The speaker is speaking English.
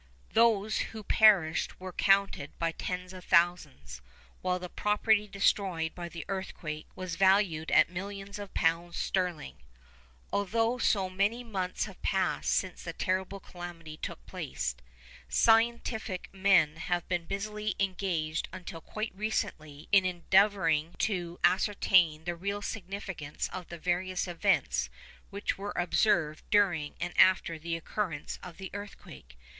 Those who perished were counted by tens of thousands, while the property destroyed by the earthquake was valued at millions of pounds sterling. Although so many months have passed since this terrible calamity took place, scientific men have been busily engaged until quite recently in endeavouring to ascertain the real significance of the various events which were observed during and after the occurrence of the earthquake.